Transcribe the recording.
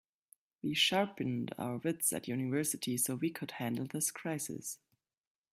We sharpened our wits at university so we could handle this crisis.